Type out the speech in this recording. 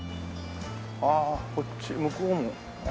ああこっち向こうも。